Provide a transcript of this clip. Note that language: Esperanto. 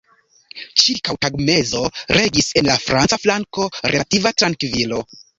Ĉirkaŭ tagmezo regis en la franca flanko relativa trankvilo.